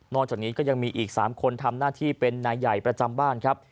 จากนี้ก็ยังมีอีก๓คนทำหน้าที่เป็นนายใหญ่ประจำบ้านครับ